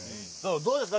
どうですか？